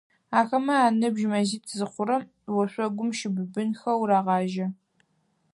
Ахэмэ аныбжь мэзитӏу зыхъурэм, ошъогум щыбыбынхэу рагъажьэ.